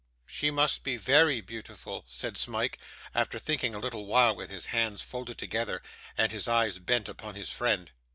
'She must be VERY beautiful,' said Smike, after thinking a little while with his hands folded together, and his eyes bent upon his friend.